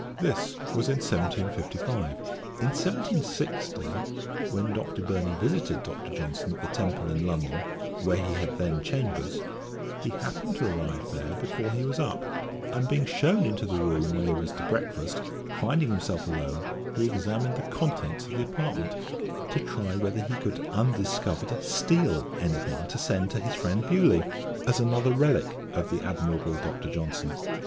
This was in 1755. In 1760, when Dr. Burney visited Dr. Johnson at the Temple in London, where he had then Chambers, he happened to arrive there before he was up; and being shewn into the room where he was to breakfast, finding himself alone, he examined the contents of the apartment, to try whether he could undiscovered steal any thing to send to his friend Bewley, as another relick of the admirable Dr. Johnson.